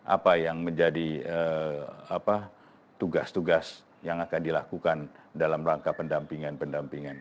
apa yang menjadi tugas tugas yang akan dilakukan dalam rangka pendampingan pendampingan